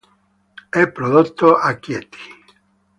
È prodotto a Chieti.